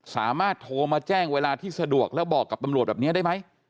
สามารถโทรมาแจ้งเวลาที่สะดวกแล้วบอกกับตำรวจแบบนี้ได้ไหม